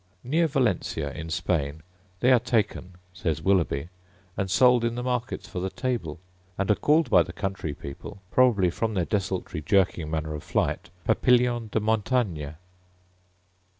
Near Valencia in Spain, they are taken, says Willughby, and sold in the markets for the table; and are called by the country people, probably from their desultory jerking manner of flight, Papilion de montagna.